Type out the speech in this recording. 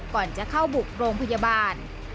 ก่อนจะเข้าบุกโรงพยาบาล